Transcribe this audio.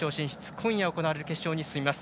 今夜行われる決勝に進みます。